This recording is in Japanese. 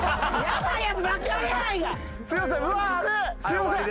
すいません。